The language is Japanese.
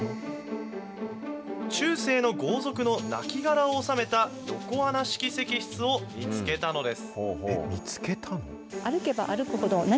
中世の豪族のなきがらを納めた、横穴式石室を見つけたのです。